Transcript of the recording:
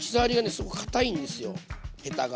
すごくかたいんですよヘタが。